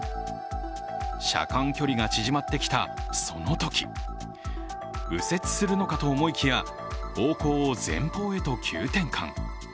車間距離が縮まってきたそのとき、右折するのかと思いきや方向を前方へと急転換。